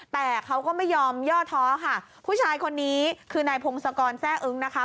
แต่เขาก็ไม่ยอมย่อท้อค่ะผู้ชายคนนี้คือนายพงศกรแซ่อึ้งนะคะ